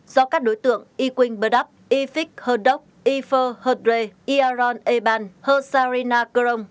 do các đối tượng iquing burdap ifik herdok ife herdre iaron eban hersarina karong